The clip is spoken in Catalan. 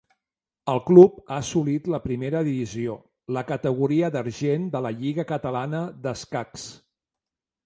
El club ha assolit la primera divisió, la categoria d'argent de la Lliga Catalana d'Escacs.